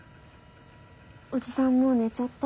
おじさんもう寝ちゃった？